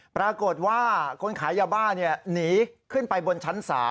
ปรากฏว่าคนขายยาบ้าหนีขึ้นไปบนชั้น๓